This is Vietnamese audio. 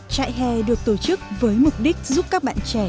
trại hè được tổ chức với mục đích giúp các bạn trẻ